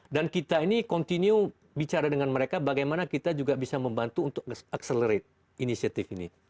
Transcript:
dan kita ini continue bicara dengan mereka bagaimana kita juga bisa membantu untuk accelerate inisiatif ini